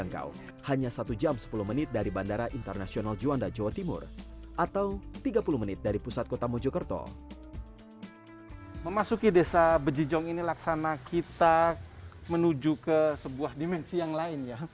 ke sebuah dimensi yang lain ya